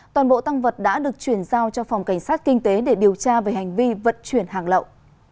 toàn bộ tăng vật đã được chuyển giao cho phòng cảnh sát kinh tế để điều tra về hành vi vận chuyển hàng lậu